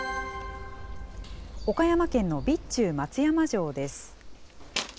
岡山県の備中松山城です。